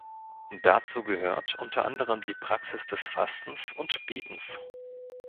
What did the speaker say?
Dazu gehört unter anderem die Praxis des Fastens und Betens.